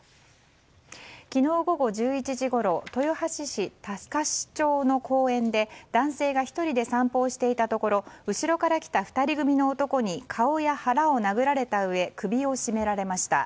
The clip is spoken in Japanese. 昨日午後１１時ごろ豊橋市高師町の公園で男性が１人で散歩をしていたところ後ろから来た２人組の男に顔や腹を殴られたうえ首を絞められました。